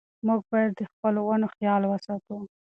موږ باید د خپلو ونو خیال وساتو.